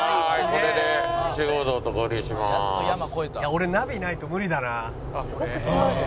「俺ナビないと無理だな」